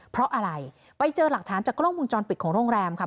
เพราะอะไรไปเจอหลักฐานจากกล้องมุมจรปิดของโรงแรมค่ะ